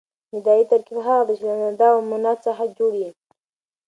ندایي ترکیب هغه دئ، چي له ندا او منادا څخه جوړ يي.